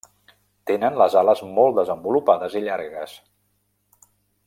Tenen les ales molt desenvolupades i llargues.